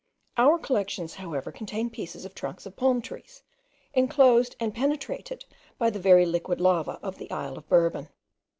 Our collections, however, contain pieces of trunks of palm trees, enclosed and penetrated by the very liquid lava of the isle of Bourbon.